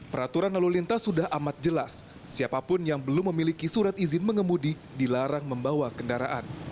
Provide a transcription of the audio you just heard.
peraturan lalu lintas sudah amat jelas siapapun yang belum memiliki surat izin mengemudi dilarang membawa kendaraan